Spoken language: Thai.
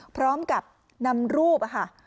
พร้อมกับนำรูป